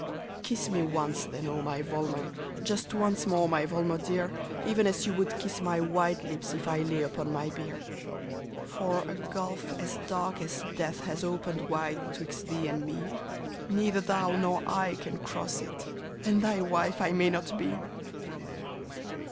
Kiss me once, then, O my Volmar ! just once more, my Volmar dear, Even as you would kiss my white lips if I lay upon my bier ! "For a gulf as dark as death has opened wide 'twixt thee and me ; Neither thou nor I can cross it, and thy wife I may not be